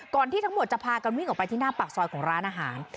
ที่ทั้งหมดจะพากันวิ่งออกไปที่หน้าปากซอยของร้านอาหาร